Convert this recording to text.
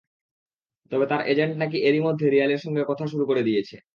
তবে তাঁর এজেন্ট নাকি এরই মধ্যে রিয়ালের সঙ্গে কথা শুরু করে দিয়েছে।